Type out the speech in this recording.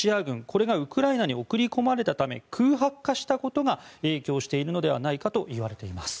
これがウクライナに送り込まれたため空白化したことが影響しているのではないかといわれています。